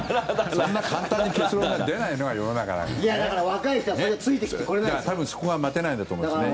そんな簡単に結論が出ないのが世の中なんですよね。